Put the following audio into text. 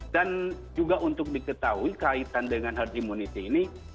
dan juga untuk diketahui kaitan dengan herd immunity ini